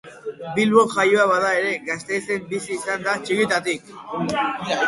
Bilbon jaioa bada ere Gasteizen bizi izan da txikitatik.